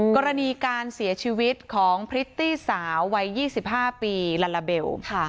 กรณีการเสียชีวิตของพริตตี้สาววัย๒๕ปีลาลาเบล